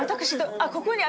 あっここ？